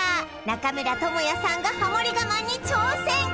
中村倫也さんがハモリ我慢に挑戦